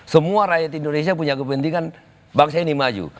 semua rakyat indonesia punya kepentingan bangsa ini maju